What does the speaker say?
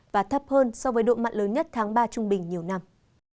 và thấp hơn so với độ mặn lớn nhất tháng ba trung bình nhiều năm